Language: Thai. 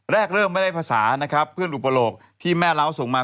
แรกเริ่มไม่ได้ภาษานะครับเพื่อนอุปโลกที่แม่เล้าส่งมา